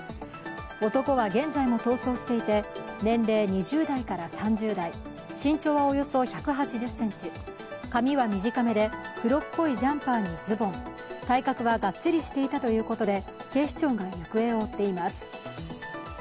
男は現在も逃走していて、年齢２０代から３０代、身長はおよそ１８０ｃｍ、髪は短めで、黒っぽいジャンパーにズボン、体格はがっちりしていたということで警視庁が行方を追っています。